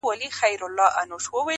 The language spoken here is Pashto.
• بد بویي وه که سهار وو که ماښام وو -